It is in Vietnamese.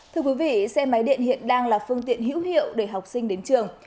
thưa quý vị xe máy điện hiện đang là phương tiện hữu hiệu để học sinh đến trường